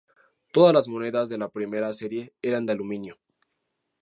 Todas las monedas de la primera serie eran de Aluminio.